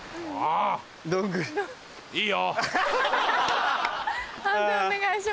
いいよ。